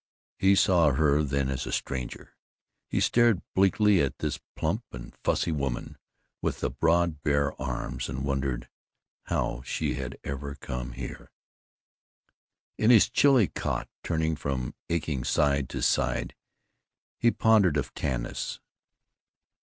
He saw her then as a stranger; he stared bleakly at this plump and fussy woman with the broad bare arms, and wondered how she had ever come here. In his chilly cot, turning from aching side to side, he pondered of Tanis.